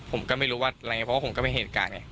ผมก็ไม่รู้ว่าอะไรอย่างนี้เพราะว่าผมก็เป็นเหตุการณ์ไง